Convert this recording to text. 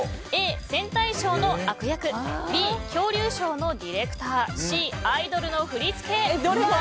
Ａ、戦隊ショーの悪役Ｂ、恐竜ショーのディレクターＣ、アイドルの振り付け。